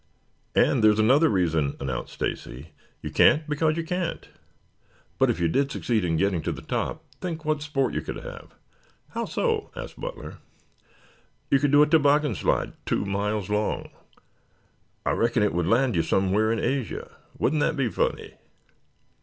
"And there's another reason," announced Stacy. "You can't because you can't. But if you did succeed in getting to the top think what sport you could have!" "How so?" asked Butler. "You could do a toboggan slide two miles long. I reckon it would land you somewhere over in Asia. Wouldn't that be funny?"